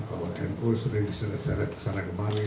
bahwa nu sering diseret seret kesana kembali